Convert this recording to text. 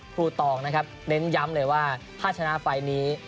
ตองนะครับเน้นย้ำเลยว่าถ้าชนะไฟล์นี้